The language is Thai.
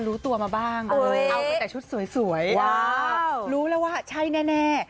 รู้ตัวมาบ้างเอาไปแต่ชุดสวยรู้แล้วว่าใช่แน่